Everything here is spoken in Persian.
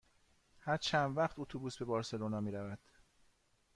هر چند وقت اتوبوس به بارسلونا می رود؟